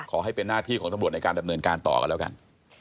ขอให้เป็นหน้าที่ของตำรวจในการดำเนินการต่อกันแล้วกัน